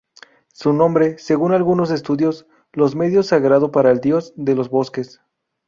Su nombre, según algunos estudios, los medios sagrado para el dios de los bosques.